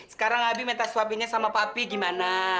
sekarang abi minta suapinnya sama papi gimana